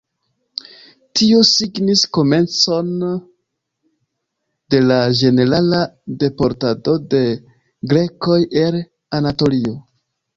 Tio signis komencon de la ĝenerala deportado de grekoj el Anatolio.